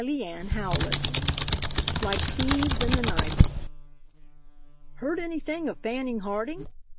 CHAPTER XXIII. LIKE THIEVES IN THE NIGHT. "Heard anything of Fanning Harding?"